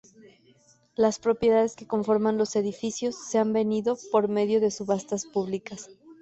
Las propiedades que conforman los edificios se han vendido por medio de subastas públicas.